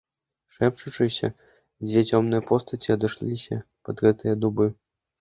Шэпчучыся, дзве цёмныя постаці адышліся пад гэтыя дубы.